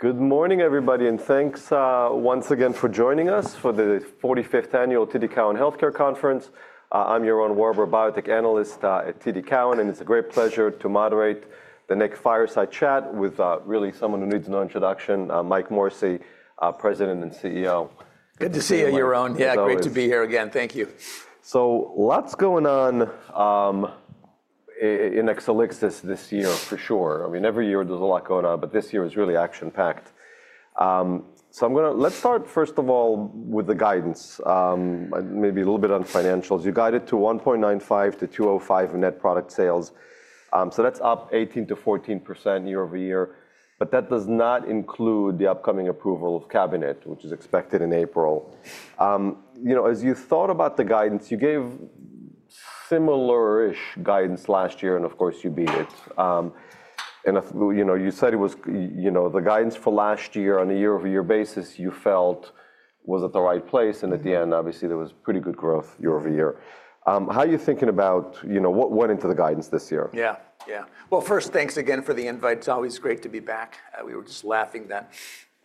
Good morning, everybody, and thanks once again for joining us for the 45th Annual TD Cowen Healthcare Conference. I'm Yaron Werber, Biotech Analyst at TD Cowen, and it's a great pleasure to moderate the next Fireside Chat with really someone who needs no introduction, Mike Morrissey, President and CEO. Good to see you, Yaron. Yeah, great to be here again. Thank you. So lots going on in Exelixis this year, for sure. I mean, every year there's a lot going on, but this year is really action-packed. I'm going to, let's start first of all with the guidance, maybe a little bit on financials. You guided to $1.95 billion-$2.05 billion net product sales. So that's up 14%-18% year over year. But that does not include the upcoming approval of CABINET, which is expected in April. You know, as you thought about the guidance, you gave similar-ish guidance last year, and of course you beat it. And you said it was, you know, the guidance for last year on a year-over-year basis you felt was at the right place. And at the end, obviously, there was pretty good growth year over year. How are you thinking about, you know, what went into the guidance this year? Yeah, yeah. Well, first, thanks again for the invite. It's always great to be back. We were just laughing that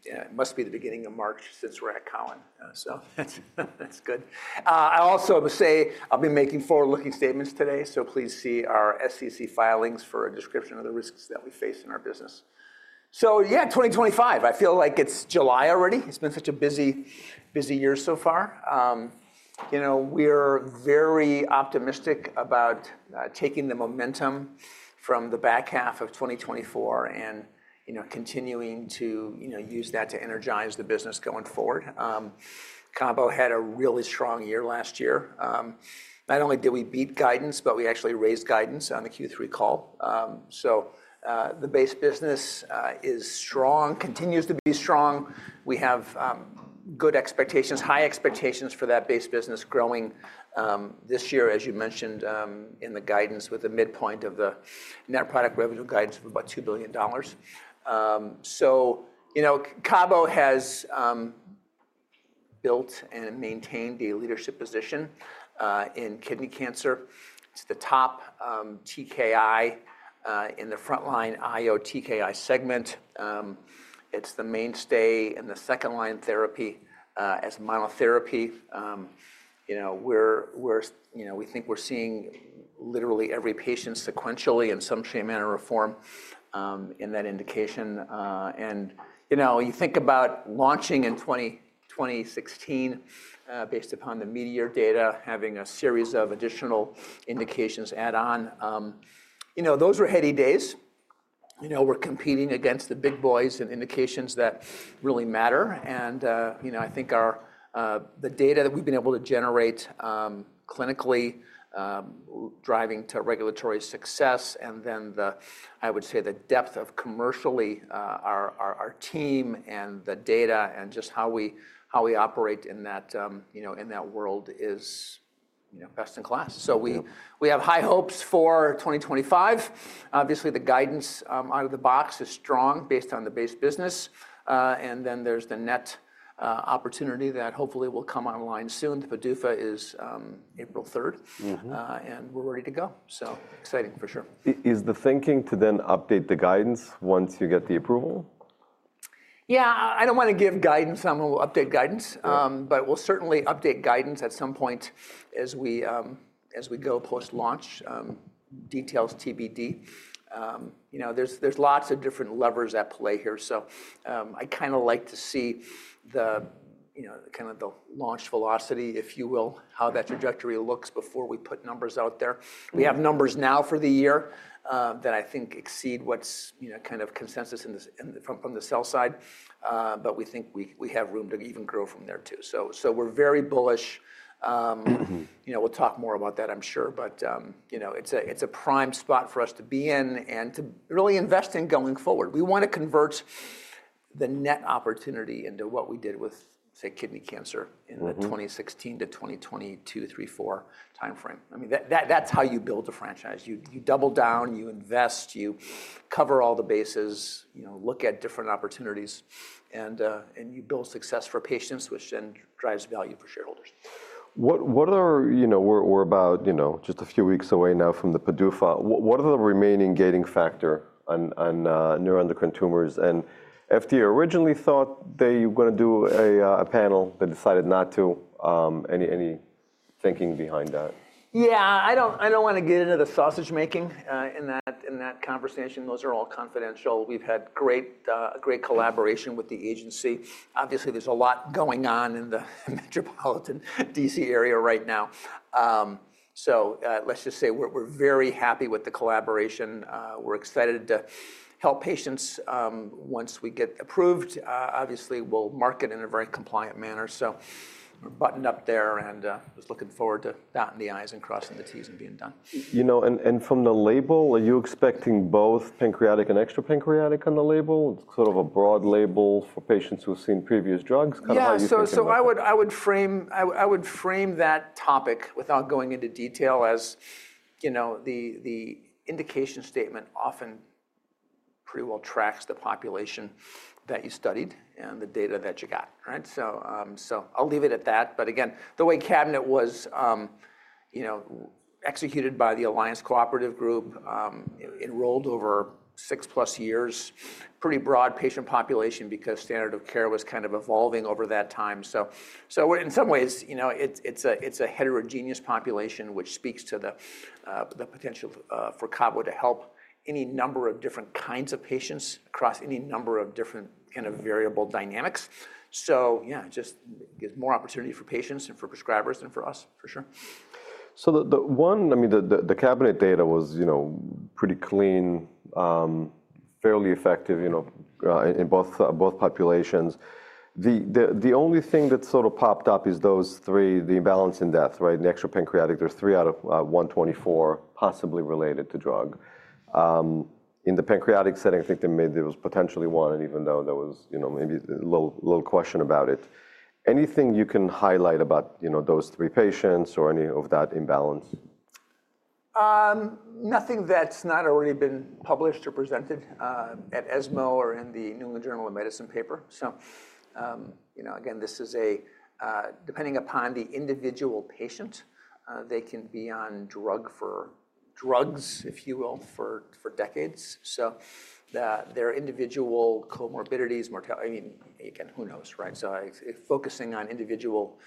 it must be the beginning of March since we're at Cowen. So that's good. I also say I'll be making forward-looking statements today. So please see our SEC filings for a description of the risks that we face in our business. So yeah, 2025. I feel like it's July already. It's been such a busy, busy year so far. You know, we're very optimistic about taking the momentum from the back half of 2024 and, you know, continuing to, you know, use that to energize the business going forward. Cabo had a really strong year last year. Not only did we beat guidance, but we actually raised guidance on the Q3 call. So the base business is strong, continues to be strong. We have good expectations, high expectations for that base business growing this year, as you mentioned in the guidance with the midpoint of the net product revenue guidance of about $2 billion, so you know, Cabo has built and maintained a leadership position in kidney cancer. It's the top TKI in the frontline I/O TKI segment. It's the mainstay in the second line therapy as monotherapy. You know, we're, you know, we think we're seeing literally every patient sequentially in some treatment or form in that indication. And, you know, you think about launching in 2016 based upon the METEOR data, having a series of additional indications add on. You know, those were heady days. You know, we're competing against the big boys and indications that really matter. And, you know, I think the data that we've been able to generate clinically driving to regulatory success and then the, I would say the depth of commercially our team and the data and just how we operate in that, you know, in that world is, you know, best in class. So we have high hopes for 2025. Obviously, the guidance out of the box is strong based on the base business. And then there's the NET opportunity that hopefully will come online soon. The PDUFA is April 3rd, and we're ready to go. So exciting for sure. Is the thinking to then update the guidance once you get the approval? Yeah, I don't want to give guidance. I'm going to update guidance, but we'll certainly update guidance at some point as we go post-launch, details TBD. You know, there's lots of different levers at play here. So I kind of like to see the, you know, kind of the launch velocity, if you will, how that trajectory looks before we put numbers out there. We have numbers now for the year that I think exceed what's, you know, kind of consensus from the sell side. But we think we have room to even grow from there too. So we're very bullish. You know, we'll talk more about that, I'm sure. But, you know, it's a prime spot for us to be in and to really invest in going forward. We want to convert the NET opportunity into what we did with, say, kidney cancer in the 2016 to 2022, 2023, 2024 timeframe. I mean, that's how you build a franchise. You double down, you invest, you cover all the bases, you know, look at different opportunities, and you build success for patients, which then drives value for shareholders. What are, you know, we're about, you know, just a few weeks away now from the PDUFA. What are the remaining gating factor on neuroendocrine tumors? The FDA originally thought they were going to do a panel. They decided not to. Any thinking behind that? Yeah, I don't want to get into the sausage making in that conversation. Those are all confidential. We've had great collaboration with the agency. Obviously, there's a lot going on in the Metropolitan D.C. area right now. So let's just say we're very happy with the collaboration. We're excited to help patients once we get approved. Obviously, we'll market in a very compliant manner. So we're buttoned up there and just looking forward to dotting the i's and crossing the t's and being done. You know, and from the label, are you expecting both pancreatic and extrapancreatic on the label? It's sort of a broad label for patients who have seen previous drugs. Yeah. So I would frame that topic without going into detail as, you know, the indication statement often pretty well tracks the population that you studied and the data that you got. Right? So I'll leave it at that. But again, the way CABINET was, you know, executed by the Alliance Cooperative Group, enrolled over six plus years, pretty broad patient population because standard of care was kind of evolving over that time. So in some ways, you know, it's a heterogeneous population, which speaks to the potential for Cabo to help any number of different kinds of patients across any number of different kind of variable dynamics. So yeah, just gives more opportunity for patients and for prescribers and for us, for sure. The one, I mean, the CABINET data was, you know, pretty clean, fairly effective, you know, in both populations. The only thing that sort of popped up is those three, the imbalance in deaths, right? In the extrapancreatic, there's three out of 124 possibly related to drug. In the pancreatic setting, I think there was potentially one, even though there was, you know, maybe a little question about it. Anything you can highlight about, you know, those three patients or any of that imbalance? Nothing that's not already been published or presented at ESMO or in the New England Journal of Medicine paper. So, you know, again, this is a, depending upon the individual patient, they can be on drug for drugs, if you will, for decades. So their individual comorbidities, mortality, I mean, again, who knows, right? So focusing on individual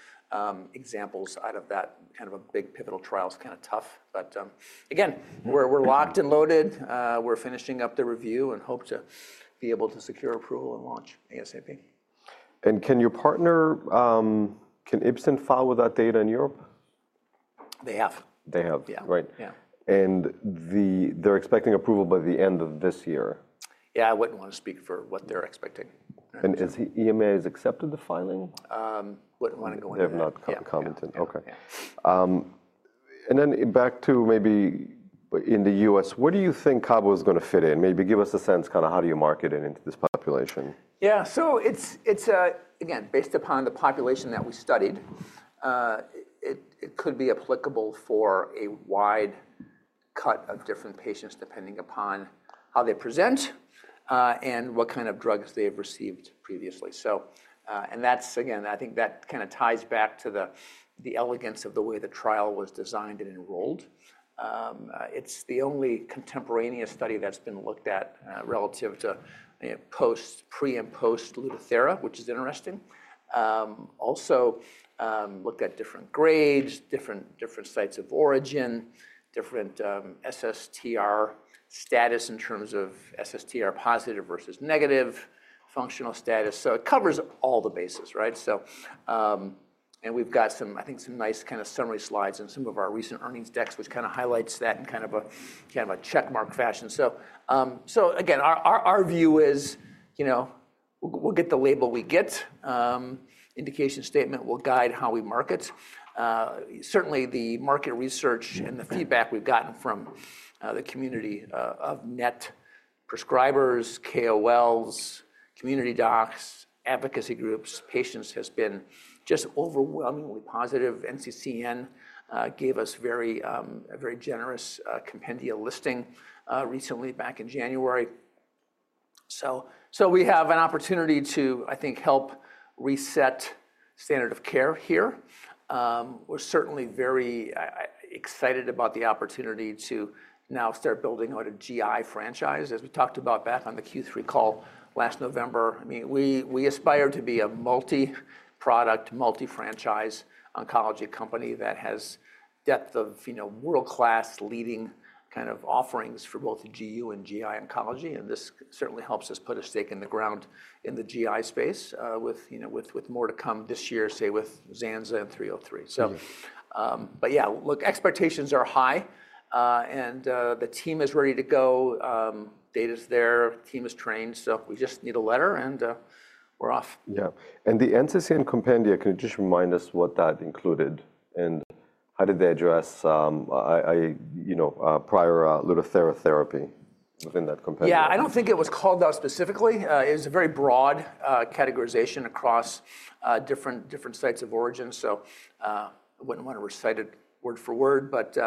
examples out of that kind of a big pivotal trial is kind of tough. But again, we're locked and loaded. We're finishing up the review and hope to be able to secure approval and launch ASAP. And can your partner, can Ipsen file with that data in Europe? They have. They have. Yeah. Right. Yeah. They're expecting approval by the end of this year. Yeah, I wouldn't want to speak for what they're expecting. Has EMA accepted the filing? Wouldn't want to go in there. They have not commented. Okay, and then back to maybe in the U.S., where do you think Cabo is going to fit in? Maybe give us a sense kind of how do you market it into this population? Yeah. So it's, again, based upon the population that we studied. It could be applicable for a wide cut of different patients depending upon how they present and what kind of drugs they have received previously. So, and that's, again, I think that kind of ties back to the elegance of the way the trial was designed and enrolled. It's the only contemporaneous study that's been looked at relative to pre and post Lutathera, which is interesting. Also looked at different grades, different sites of origin, different SSTR status in terms of SSTR positive versus negative functional status. So it covers all the bases, right? So, and we've got some, I think, some nice kind of summary slides in some of our recent earnings decks, which kind of highlights that in kind of a checkmark fashion. So, again, our view is, you know, we'll get the label we get. Indication statement will guide how we market. Certainly, the market research and the feedback we've gotten from the community of NET prescribers, KOLs, community docs, advocacy groups, patients has been just overwhelmingly positive. NCCN gave us very, very generous compendia listing recently back in January. So we have an opportunity to, I think, help reset standard of care here. We're certainly very excited about the opportunity to now start building out a GI franchise, as we talked about back on the Q3 call last November. I mean, we aspire to be a multi-product, multi-franchise oncology company that has depth of, you know, world-class leading kind of offerings for both GU and GI oncology. And this certainly helps us put a stake in the ground in the GI space with, you know, with more to come this year, say with Zanza and 303. So, but yeah, look, expectations are high and the team is ready to go. Data's there, team is trained. So we just need a letter and we're off. Yeah. And the NCCN compendia, can you just remind us what that included and how did they address, you know, prior Lutathera therapy within that compendium? Yeah, I don't think it was called out specifically. It was a very broad categorization across different sites of origin. So I wouldn't want to recite it word for word, but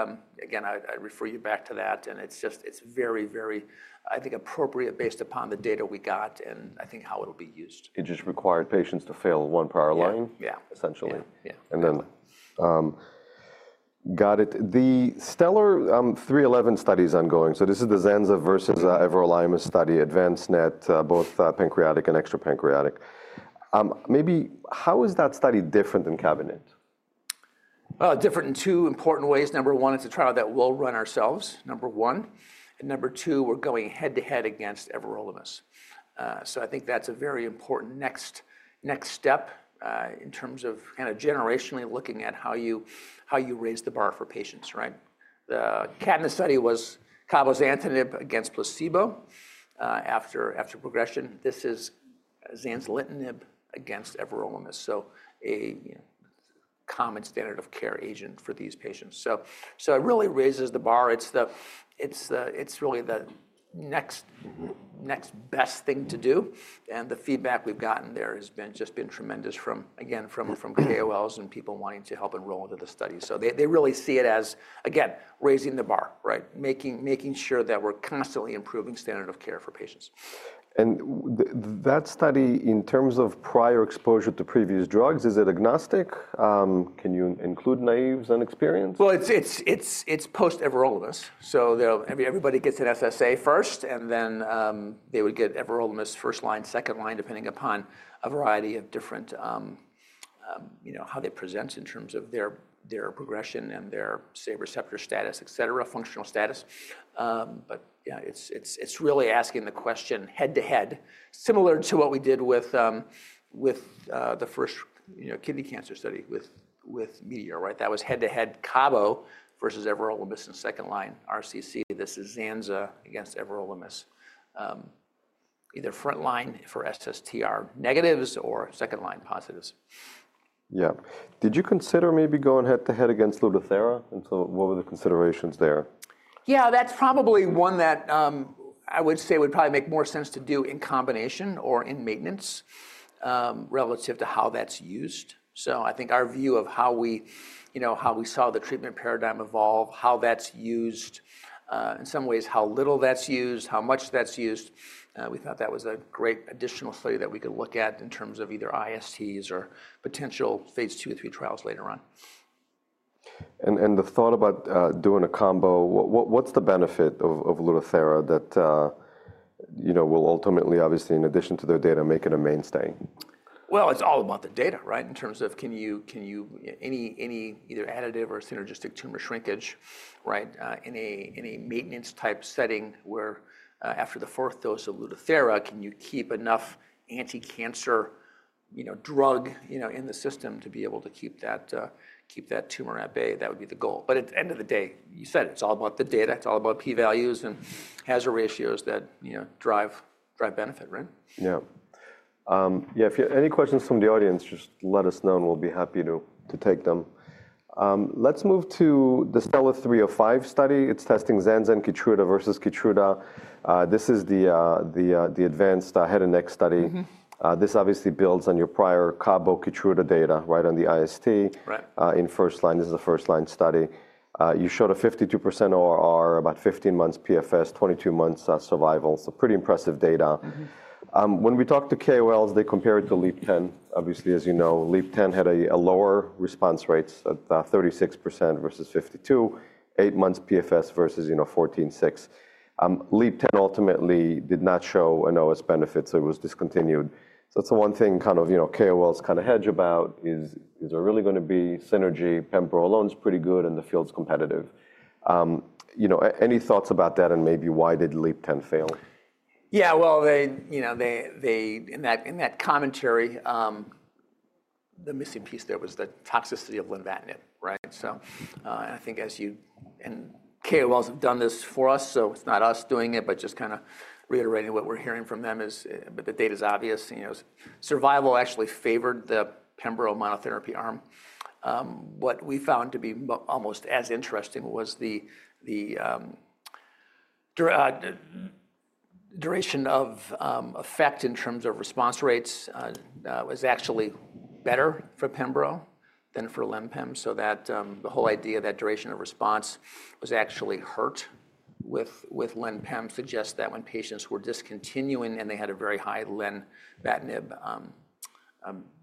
again, I refer you back to that, and it's just, it's very, very, I think, appropriate based upon the data we got and I think how it'll be used. It just required patients to fail one prior line, essentially. Yeah. The STELLAR-311 study is ongoing. So this is the Zanza versus everolimus study, advanced NET, both pancreatic and extrapancreatic. Maybe how is that study different than CABINET? Different in two important ways. Number one, it's a trial that we'll run ourselves, number one. And number two, we're going head to head against everolimus. So I think that's a very important next step in terms of kind of generationally looking at how you raise the bar for patients, right? The CABINET study was cabozantinib against placebo after progression. This is zanzalintinib against everolimus. So a common standard of care agent for these patients. So it really raises the bar. It's really the next best thing to do. And the feedback we've gotten there has just been tremendous from, again, from KOLs and people wanting to help enroll into the study. So they really see it as, again, raising the bar, right? Making sure that we're constantly improving standard of care for patients. That study, in terms of prior exposure to previous drugs, is it agnostic? Can you include naïves and experienced? It's post everolimus. So everybody gets an SSA first, and then they would get everolimus first line, second line, depending upon a variety of different, you know, how they present in terms of their progression and their, say, receptor status, et cetera, functional status. But yeah, it's really asking the question head to head, similar to what we did with the first, you know, kidney cancer study with METEOR, right? That was head-to-head Cabo versus everolimus and second line RCC. This is Zanza against everolimus, either front line for SSTR negatives or second line positives. Yeah. Did you consider maybe going head-to-head against Lutathera? And so, what were the considerations there? Yeah, that's probably one that I would say would probably make more sense to do in combination or in maintenance relative to how that's used. So I think our view of how we, you know, how we saw the treatment paradigm evolve, how that's used, in some ways how little that's used, how much that's used, we thought that was a great additional study that we could look at in terms of either ISTs or potential phase II or III trials later on. And the thought about doing a combo, what's the benefit of Lutathera that, you know, will ultimately, obviously, in addition to their data, make it a mainstay? It's all about the data, right? In terms of can you have any either additive or synergistic tumor shrinkage, right? In a maintenance type setting where after the fourth dose of Lutathera, can you keep enough anti-cancer, you know, drug, you know, in the system to be able to keep that tumor at bay? That would be the goal. But at the end of the day, you said it's all about the data. It's all about P-values and hazard ratios that, you know, drive benefit, right? Yeah. Yeah. If you have any questions from the audience, just let us know and we'll be happy to take them. Let's move to the STELLAR-305 study. It's testing Zanza and Keytruda versus Keytruda. This is the advanced head and neck study. This obviously builds on your prior Cabo Keytruda data, right? On the IST in first line. This is a first line study. You showed a 52% ORR, about 15 months PFS, 22 months survival. So pretty impressive data. When we talked to KOLs, they compared to LEAP-010, obviously, as you know, LEAP-010 had a lower response rate at 36% versus 52%, eight months PFS versus, you know, 14.6. LEAP-010 ultimately did not show an OS benefit, so it was discontinued. So that's the one thing kind of, you know, KOLs kind of hedge about is, is there really going to be synergy? Pembro alone is pretty good and the field's competitive. You know, any thoughts about that and maybe why did LEAP-010 fail? Yeah, well, they, you know, in that commentary, the missing piece there was the toxicity of lenvatinib, right? So I think as you, and KOLs have done this for us, so it's not us doing it, but just kind of reiterating what we're hearing from them is, but the data is obvious. You know, survival actually favored the Pembro monotherapy arm. What we found to be almost as interesting was the duration of effect in terms of response rates was actually better for Pembro than for lenpem. So that the whole idea that duration of response was actually hurt with LenPem suggests that when patients were discontinuing and they had a very high lenvatinib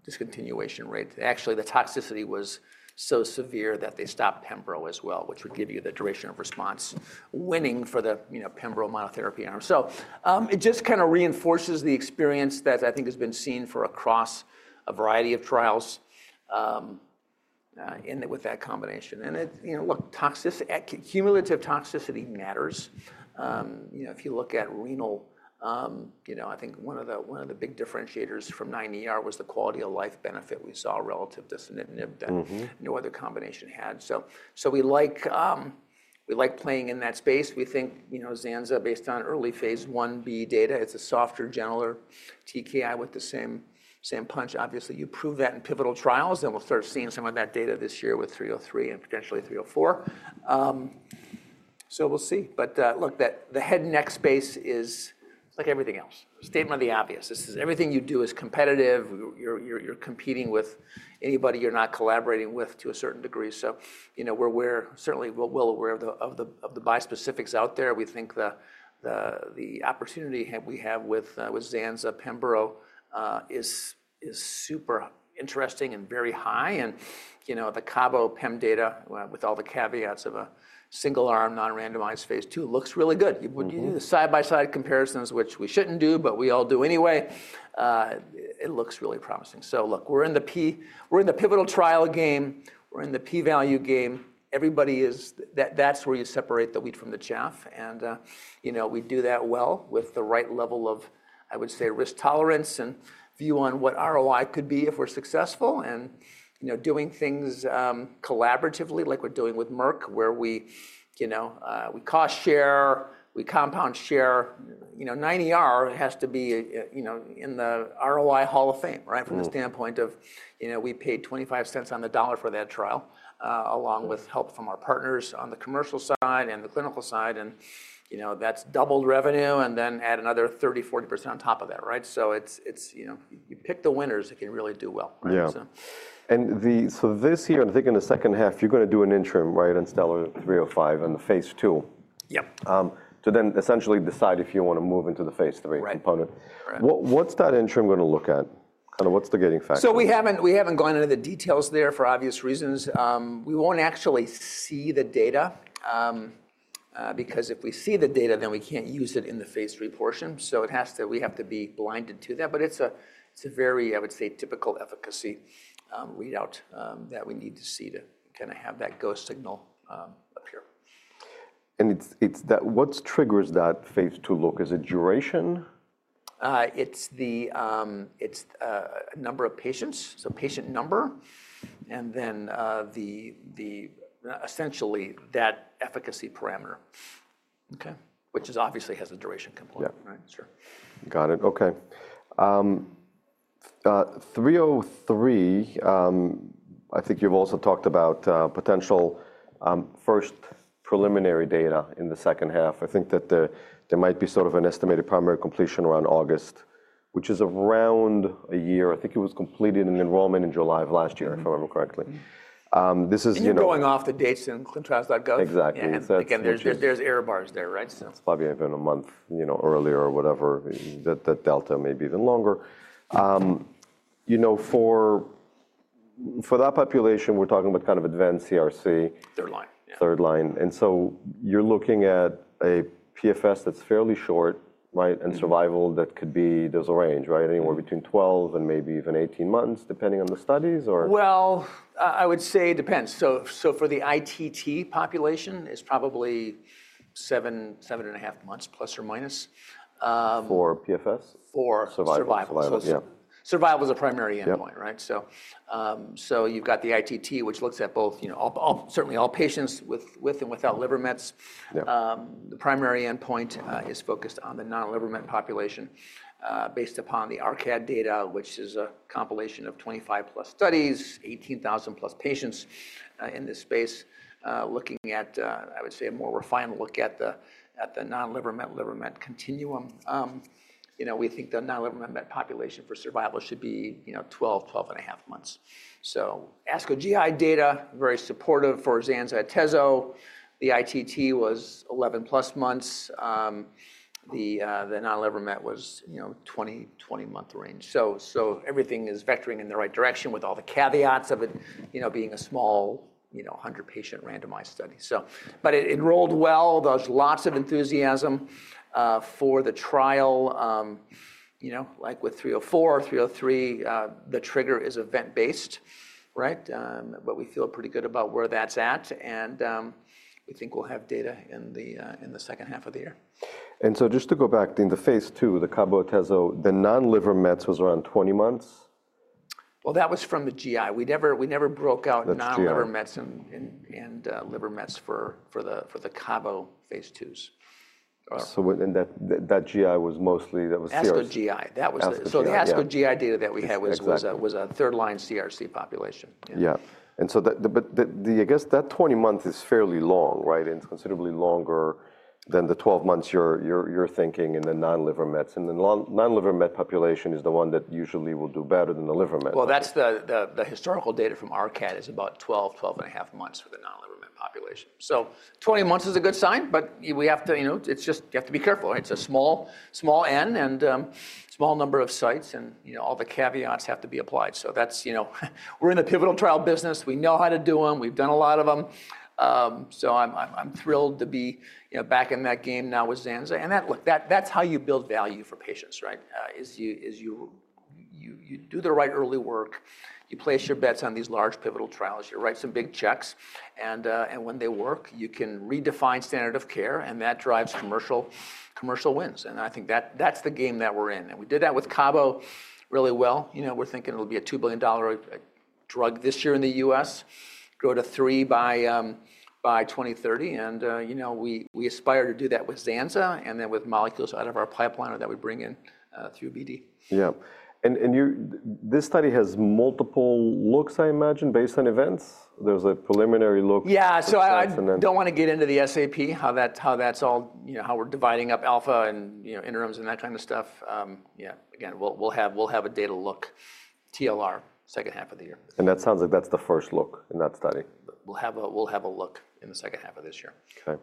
discontinuation rate, actually the toxicity was so severe that they stopped Pembro as well, which would give you the duration of response winning for the, you know, Pembro monotherapy arm. So it just kind of reinforces the experience that I think has been seen across a variety of trials with that combination. And it, you know, look, cumulative toxicity matters. You know, if you look at renal, you know, I think one of the big differentiators from 9ER was the quality of life benefit we saw relative to sunitinib that no other combination had. So we like playing in that space. We think, you know, Zanza based on early phase I-B data, it's a softer, gentler TKI with the same punch. Obviously, you prove that in pivotal trials, then we'll start seeing some of that data this year with 303 and potentially 304. So we'll see. But look, the head and neck space is like everything else. Statement of the obvious. This is everything you do is competitive. You're competing with anybody you're not collaborating with to a certain degree. So, you know, we're certainly well aware of the bispecifics out there. We think the opportunity we have with Zanza Pembro is super interesting and very high. And, you know, the Cabo Pembro data with all the caveats of a single arm, non-randomized phase II looks really good. When you do the side-by-side comparisons, which we shouldn't do, but we all do anyway, it looks really promising. So look, we're in the pivotal trial game. We're in the P-value game. Everybody is, that's where you separate the wheat from the chaff. And, you know, we do that well with the right level of, I would say, risk tolerance and view on what ROI could be if we're successful. And, you know, doing things collaboratively like we're doing with Merck, where we, you know, we cost share, we compound share. You know, 9ER has to be, you know, in the ROI hall of fame, right? From the standpoint of, you know, we paid 25 cents on the dollar for that trial along with help from our partners on the commercial side and the clinical side. And, you know, that's doubled revenue and then add another 30%-40% on top of that, right? So it's, you know, you pick the winners that can really do well, right? Yeah. And so this year, I think in the second half, you're going to do an interim, right, in STELLAR-305 and the phase II. Yep. To then essentially decide if you want to move into the phase III component. What's that interim going to look at? Kind of what's the gating factor? So we haven't gone into the details there for obvious reasons. We won't actually see the data because if we see the data, then we can't use it in the phase III portion. So it has to, we have to be blinded to that. But it's a very, I would say, typical efficacy readout that we need to see to kind of have that go signal appear. What triggers that phase II look? Is it duration? It's a number of patients. So patient number and then essentially that efficacy parameter, which obviously has a duration component, right? Yeah. Got it. Okay. 303, I think you've also talked about potential first preliminary data in the second half. I think that there might be sort of an estimated primary completion around August, which is around a year. I think it was completed in enrollment in July of last year, if I remember correctly. This is, you know. You're going off the dates in clinicaltrials.gov? Exactly. Again, there's error bars there, right? That's probably even a month, you know, earlier or whatever. That delta may be even longer. You know, for that population, we're talking about kind of advanced CRC. Third line. Third line. And so you're looking at a PFS that's fairly short, right? And survival that could be, there's a range, right? Anywhere between 12 and maybe even 18 months depending on the studies or? I would say it depends. For the ITT population is probably seven, seven and a half months plus or minus. For PFS? For survival. Survival is a primary endpoint, right? So you've got the ITT, which looks at both, you know, certainly all patients with and without liver mets. The primary endpoint is focused on the non-liver met population based upon the ARCAD data, which is a compilation of 25+ studies, 18,000+ patients in this space. Looking at, I would say a more refined look at the non-liver met, liver met continuum. You know, we think the non-liver met population for survival should be, you know, 12, 12 and a half months. So ASCO GI data, very supportive for Zanza and Atezo. The ITT was 11+ months. The non-liver met was, you know, 20-month range. So everything is vectoring in the right direction with all the caveats of it, you know, being a small, you know, 100 patient randomized study. So, but it enrolled well. There's lots of enthusiasm for the trial, you know, like with 304, 303, the trigger is event based, right? But we feel pretty good about where that's at, and we think we'll have data in the second half of the year. So just to go back in the phase II, the Cabo Atezo, the non-liver mets was around 20 months? That was from the GI. We never broke out non-liver mets and liver mets for the Cabo phase IIs. So that GI was mostly CRC. ASCO GI. The ASCO GI data that we had was a third-line CRC population. Yeah. And so, but I guess that 20 months is fairly long, right? It's considerably longer than the 12 months you're thinking in the non-liver mets. And the non-liver met population is the one that usually will do better than the liver met. That's the historical data from ARCAD is about 12, 12 and a half months for the non-liver met population. So 20 months is a good sign, but we have to, you know, it's just, you have to be careful, right? It's a small, small N and small number of sites and, you know, all the caveats have to be applied. So that's, you know, we're in the pivotal trial business. We know how to do them. We've done a lot of them. So I'm thrilled to be, you know, back in that game now with zanza. And that's how you build value for patients, right? Is you do the right early work. You place your bets on these large pivotal trials. You write some big checks. And when they work, you can redefine standard of care. And that drives commercial wins. And I think that's the game that we're in. And we did that with Cabo really well. You know, we're thinking it'll be a $2 billion drug this year in the U.S., grow to $3 billion by 2030. And, you know, we aspire to do that with Zanza and then with molecules out of our pipeline that we bring in through BD. Yeah. And this study has multiple looks, I imagine, based on events. There's a preliminary look. Yeah. So I don't want to get into the SAP, how that's all, you know, how we're dividing up alpha and, you know, interims and that kind of stuff. Yeah. Again, we'll have a data look, TLR, second half of the year. That sounds like that's the first look in that study. We'll have a look in the second half of this year. Okay.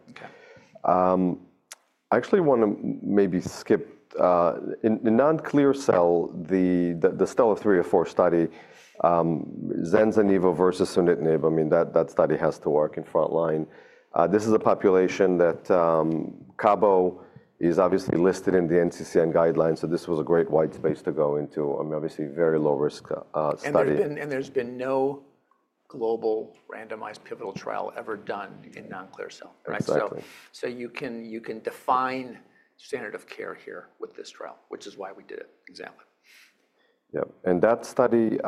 I actually want to maybe skip in non-clear cell, the STELLAR-304 study, Zanza and Nivo versus sunitinib. I mean, that study has to work in front line. This is a population that Cabo is obviously listed in the NCCN guidelines. So this was a great white space to go into. I mean, obviously very low risk study. There's been no global randomized pivotal trial ever done in non-clear cell, right? You can define standard of care here with this trial, which is why we did it exactly. Yeah. And that study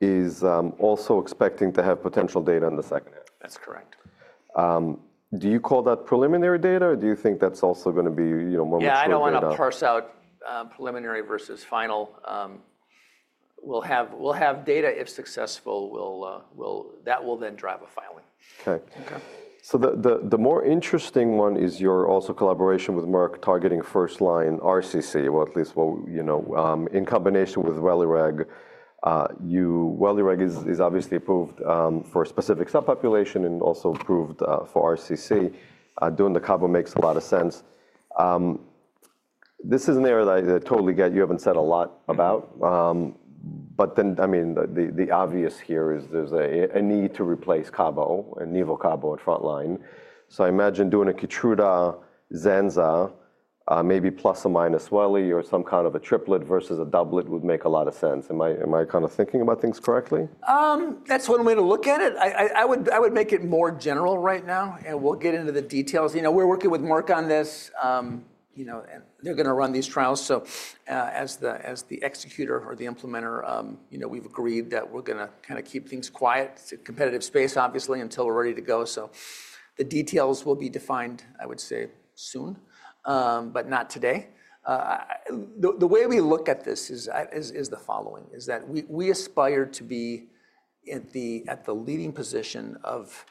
is also expecting to have potential data in the second half. That's correct. Do you call that preliminary data or do you think that's also going to be, you know, more material? Yeah, I don't want to parse out preliminary versus final. We'll have data if successful. That will then drive a filing. Okay, so the more interesting one is your also collaboration with Merck targeting first line RCC, or at least, you know, in combination with Welireg. Welireg is obviously approved for a specific subpopulation and also approved for RCC. Doing the Cabo makes a lot of sense. This is an area that I totally get you haven't said a lot about, but then, I mean, the obvious here is there's a need to replace Cabo and Nivo Cabo at front line, so I imagine doing a Keytruda zanza, maybe plus or minus Welli or some kind of a triplet versus a doublet would make a lot of sense. Am I kind of thinking about things correctly? That's one way to look at it. I would make it more general right now. And we'll get into the details. You know, we're working with Merck on this, you know, and they're going to run these trials. So as the executor or the implementer, you know, we've agreed that we're going to kind of keep things quiet, competitive space, obviously, until we're ready to go. So the details will be defined, I would say, soon, but not today. The way we look at this is the following, is that we aspire to be at the leading position of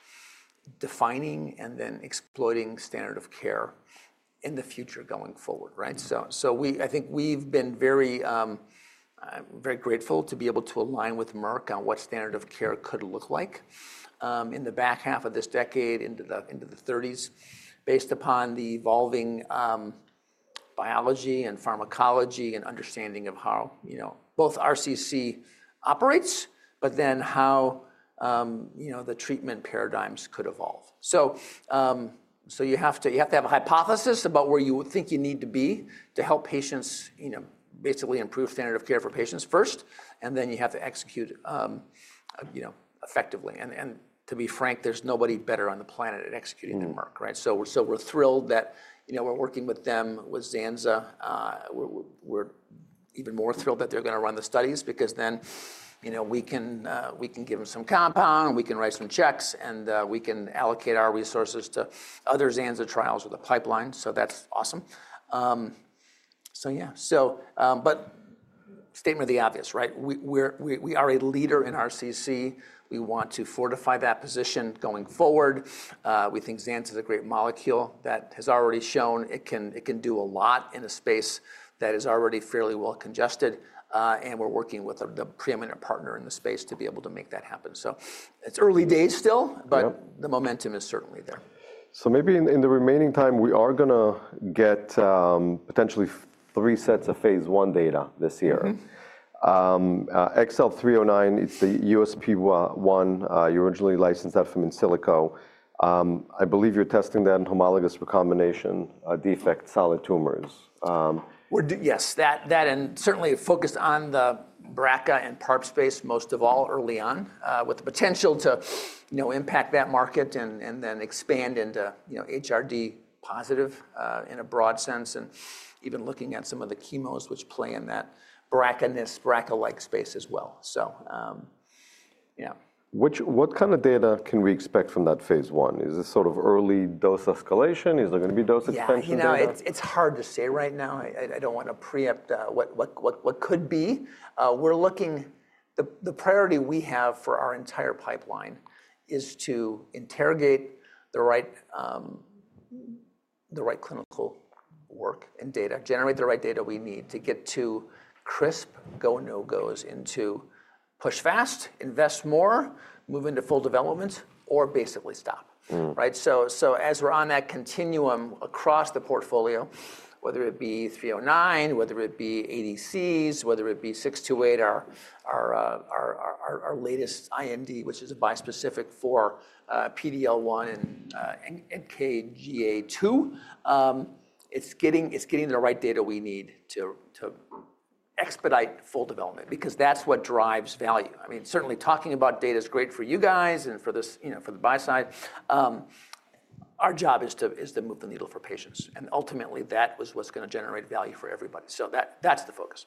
defining and then exploiting standard of care in the future going forward, right? So I think we've been very grateful to be able to align with Merck on what standard of care could look like in the back half of this decade, into the 30s, based upon the evolving biology and pharmacology and understanding of how, you know, both RCC operates, but then how, you know, the treatment paradigms could evolve. So you have to have a hypothesis about where you think you need to be to help patients, you know, basically improve standard of care for patients first, and then you have to execute, you know, effectively. And to be frank, there's nobody better on the planet at executing than Merck, right? So we're thrilled that, you know, we're working with them, with zanza. We're even more thrilled that they're going to run the studies because then, you know, we can give them some compound, we can write some checks, and we can allocate our resources to other Zanza trials with a pipeline. So that's awesome. So yeah. So, but statement of the obvious, right? We are a leader in RCC. We want to fortify that position going forward. We think Zanza is a great molecule that has already shown it can do a lot in a space that is already fairly well congested. And we're working with the preeminent partner in the space to be able to make that happen. So it's early days still, but the momentum is certainly there. So maybe in the remaining time, we are going to get potentially three sets of phase I data this year. XL309, it's the USP1. You originally licensed that from Insilico. I believe you're testing that in homologous recombination defect solid tumors. Yes, that and certainly focused on the BRCA and PARP space most of all early on with the potential to, you know, impact that market and then expand into, you know, HRD positive in a broad sense and even looking at some of the chemos which play in that BRCAness, BRCA-like space as well. So, yeah. What kind of data can we expect from that phase I? Is it sort of early dose escalation? Is there going to be dose extension? You know, it's hard to say right now. I don't want to preempt what could be. We're looking, the priority we have for our entire pipeline is to interrogate the right clinical work and data, generate the right data we need to get to crisp go/no-go's into push fast, invest more, move into full development, or basically stop, right? So as we're on that continuum across the portfolio, whether it be 309, whether it be ADCs, whether it be XB628, our latest IND, which is a bispecific for PD-L1 and NKG2A, it's getting the right data we need to expedite full development because that's what drives value. I mean, certainly talking about data is great for you guys and for the buy side. Our job is to move the needle for patients. And ultimately, that was what's going to generate value for everybody. So that's the focus.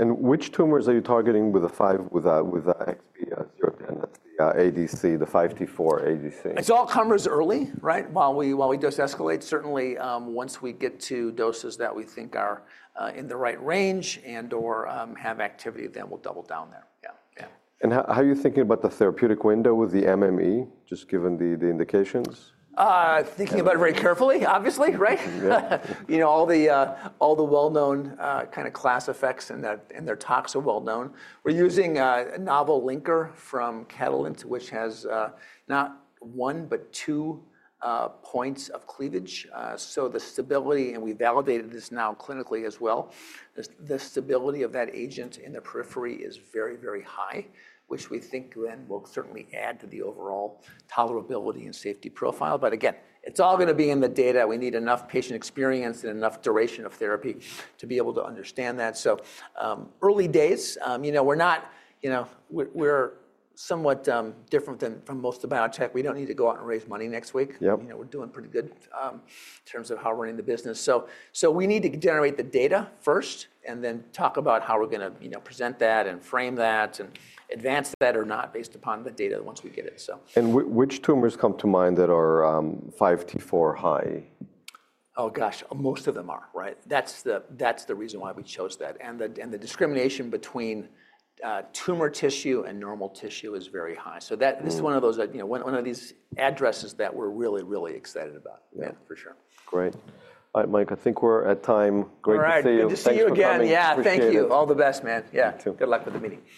Which tumors are you targeting with the XB, the ADC, the 5T4 ADC? It's all comers early, right? While we dose escalate, certainly once we get to doses that we think are in the right range and/or have activity, then we'll double down there. Yeah. How are you thinking about the therapeutic window with the MMAE, just given the indications? Thinking about it very carefully, obviously, right? You know, all the well-known kind of class effects and their talks are well-known. We're using a novel linker from Catalent, which has not one, but two points of cleavage. So the stability, and we validated this now clinically as well, the stability of that agent in the periphery is very, very high, which we think then will certainly add to the overall tolerability and safety profile. But again, it's all going to be in the data. We need enough patient experience and enough duration of therapy to be able to understand that. So early days, you know, we're not, you know, we're somewhat different than from most of biotech. We don't need to go out and raise money next week. You know, we're doing pretty good in terms of how we're running the business. So we need to generate the data first and then talk about how we're going to, you know, present that and frame that and advance that or not based upon the data once we get it. Which tumors come to mind that are 5T4 high? Oh gosh, most of them are, right? That's the reason why we chose that. And the discrimination between tumor tissue and normal tissue is very high. So this is one of those, you know, one of these addresses that we're really, really excited about. Yeah, for sure. Great. All right, Mike, I think we're at time. Great to see you. All right, good to see you again. Yeah, thank you. All the best, man. Yeah. Good luck with the meeting.